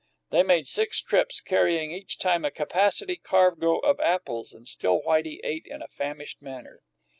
They made six trips, carrying each time a capacity cargo of apples, and still Whitey ate in a famished manner.